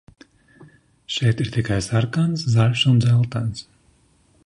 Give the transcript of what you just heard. Šeit ir tikai sarkans, zaļš un dzeltens.